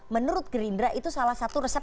menurut gerindra itu salah satu resep